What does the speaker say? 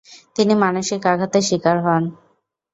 তিনি মানসিক আঘাতের শিকার হন।